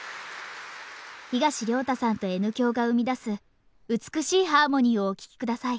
東亮汰さんとＮ響が生み出す美しいハーモニーをお聴き下さい。